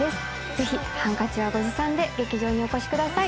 ぜひハンカチをご持参で劇場にお越しください。